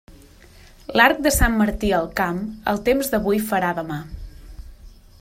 L'arc de Sant Martí al camp, el temps d'avui farà demà.